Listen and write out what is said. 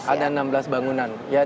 ada enam belas bangunan